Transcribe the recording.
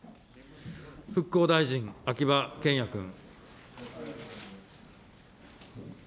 復興大臣、秋葉賢也君。